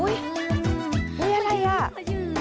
เยี่ยง